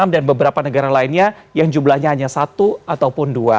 dan beberapa negara lainnya yang jumlahnya hanya satu ataupun dua